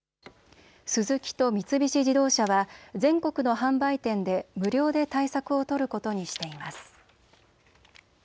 スズキと三菱自動車は、全国の販売店で無料で対策を取ることにしています。